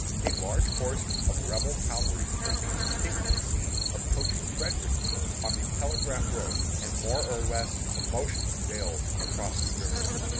A large force of Rebel cavalry can be distinctly seen approaching Fredericksburg on the Telegraph Road, and more or less commotion prevails across the river.